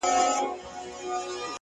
كله!!كله يې ديدن تــه لـيونـى سم!!